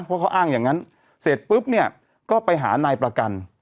เพราะเขาอ้างอย่างนั้นเสร็จปุ๊บเนี่ยก็ไปหานายประกัน